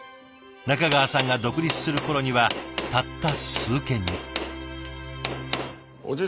中川さんが独立する頃にはたった数軒に。